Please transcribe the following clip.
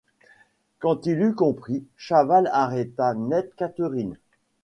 Quand il eut compris, Chaval arrêta net Catherine.